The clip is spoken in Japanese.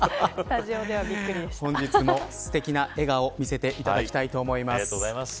本日もすてきな笑顔を見せていただきたいと思います。